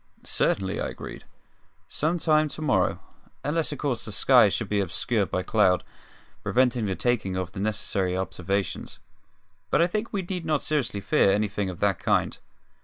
"Certainly," I agreed; "some time to morrow unless of course the sky should be obscured by cloud, preventing the taking of the necessary observations. But I think we need not seriously fear anything of that kind."